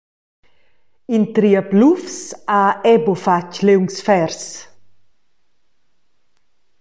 In triep lufs ha era buca fatg liungs fers.